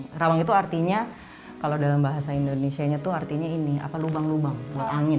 kerawang itu artinya kalau dalam bahasa indonesia nya tuh artinya ini apa lubang lubang buat angin